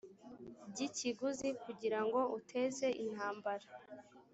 ry ikiguzi kugira ngo uteze intambara